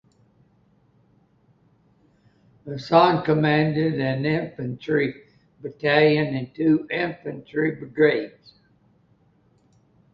Hasan commanded an Infantry Battalion and two Infantry Brigades.